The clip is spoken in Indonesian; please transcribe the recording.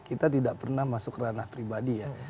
kita tidak pernah masuk ranah pribadi ya